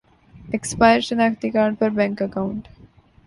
expire شناختی card پر bank account